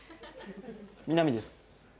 南です。